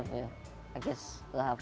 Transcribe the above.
saya pikir mereka harus lebih baik